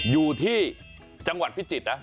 อยู่ที่จังหวัดพิจิตรนะ